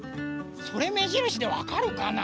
それめじるしでわかるかな？